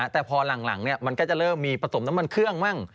แต่พอหลังมันก็จะเริ่มมีผสมน้ำมันเครื่องมั่ง